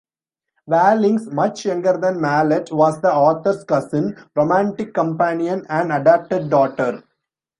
Vallings, much younger than Malet, was the author's cousin, romantic companion and adopted daughter.